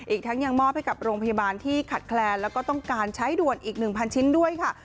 อีกทั้งยังมอบให้กับโรงพยาบาลที่ขัดแคลนแล้วก็ต้องการใช้ด่วนอีก๑๐๐ชิ้นด้วยค่ะ